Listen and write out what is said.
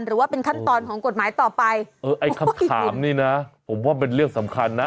หรือว่าเป็นขั้นตอนของกฎหมายต่อไปเออไอ้คำถามนี่นะผมว่าเป็นเรื่องสำคัญนะ